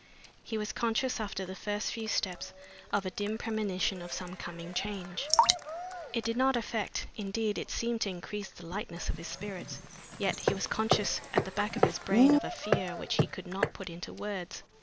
He was conscious, after the first few steps, of a dim premonition of some coming change. It did not affect indeed, it seemed to increase the lightness of his spirits, yet he was conscious at the back of his brain of a fear which he could not put into words.